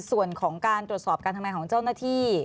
ส่วนของการตรวจสอบการทำงานของเจ้าหน้าที่